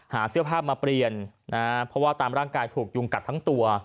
เสื้อผ้ามาเปลี่ยนนะฮะเพราะว่าตามร่างกายถูกยุงกัดทั้งตัว